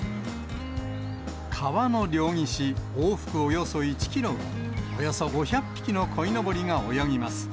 川の両岸、往復およそ１キロをおよそ５００匹のこいのぼりが泳ぎます。